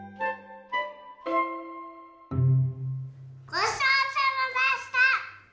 ごちそうさまでした！